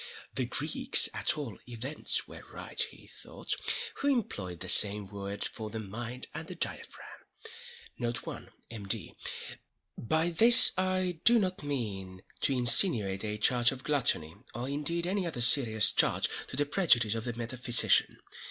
The Greeks at all events were right, he thought, who employed the same words for the mind and the diaphragm. (*1) By this I do not mean to insinuate a charge of gluttony, or indeed any other serious charge to the prejudice of the metaphysician.